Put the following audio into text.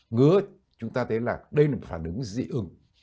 ngứa chúng ta thấy là đây là một phản ứng dị ứng